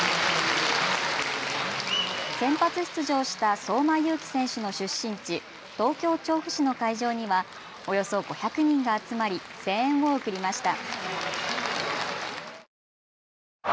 先発出場した相馬勇紀選手の出身地、東京調布市の会場にはおよそ５００人が集まり声援を送りました。